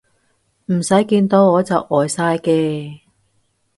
唔使見到我就呆晒嘅